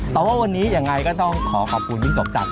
แต่ว่าวันนี้ยังไงก็ต้องขอขอบคุณพี่สงสักมากนะครับ